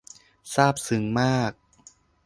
ซาบซึ้งมาก